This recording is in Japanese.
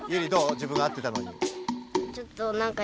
自分が合ってたのに。